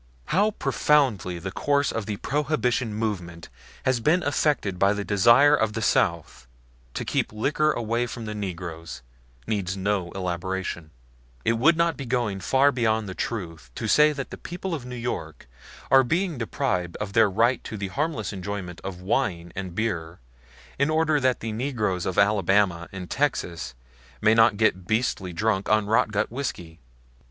How profoundly the whole course of the Prohibition movement has been affected by the desire of the South to keep liquor away from the negroes, needs no elaboration; it would not be going far beyond the truth to say that the people of New York are being deprived of their right to the harmless enjoyment of wine and beer in order that the negroes of Alabama and Texas may not get beastly drunk on rotgut whiskey.